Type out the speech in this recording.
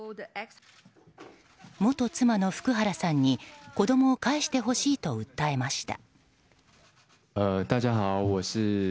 元妻の福原さんに子供を返してほしいと訴えました。